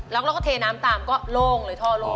แล้วก็เทน้ำตามก็ลงเลยท่อลง